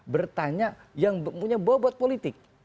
bertanya yang punya bobot politik